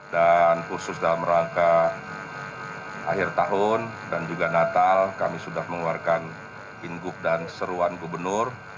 dan khusus dalam rangka akhir tahun dan juga natal kami sudah mengeluarkan inggup dan seruan gubernur